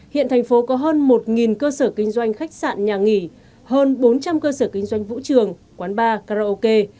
hiện thành phố có hơn một cơ sở kinh doanh khách sạn nhà nghỉ hơn bốn trăm linh cơ sở kinh doanh vũ trường quán bar karaoke